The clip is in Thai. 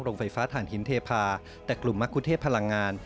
โรงไฟฟ้าธากิณฑีเทพาแต่กลุ่มมคุณเทพลังงาน